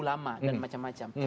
ulama dan macam macam